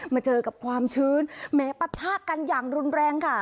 มาเจอกับความชื้นแม้ปะทะกันอย่างรุนแรงค่ะ